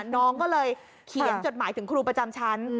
น้องก็เลยเขียนจดหมายถึงครูประจำชั้น